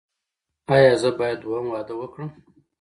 ایا زه باید دویم واده وکړم؟